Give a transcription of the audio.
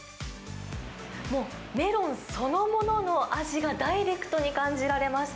もうメロンそのものの味がダイレクトに感じられます。